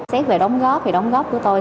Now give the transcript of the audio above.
xét về đóng góp thì đóng góp của tôi